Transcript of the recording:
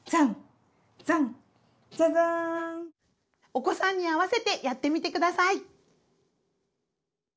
お子さんに合わせてやってみてください。